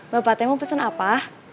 bapak teh mau pesen apa